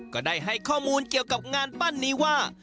ก็ได้ให้ข้อมูลเกี่ยวกับงานปั้นนี้ว่า